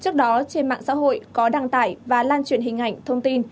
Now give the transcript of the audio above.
trước đó trên mạng xã hội có đăng tải và lan truyền hình ảnh thông tin